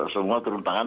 semua turun tangan